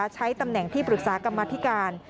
ใช้ตำแหน่งที่ปรึกษากรรมธิการ